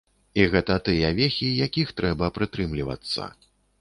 І гэта тыя вехі, якіх трэба прытрымлівацца.